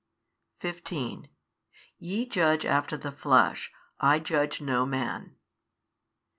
|569 15 YE judge after the flesh, I judge no man.